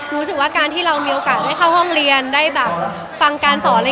รู้สึกว่าการที่เรามีโอกาสได้เข้าห้องเรียนได้แบบฟังการสอนอะไร